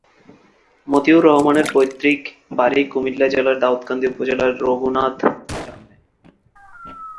মতিউর রহমানের পৈতৃক বাড়ি কুমিল্লা জেলার দাউদকান্দি উপজেলার রঘুনাথপুর গ্রামে।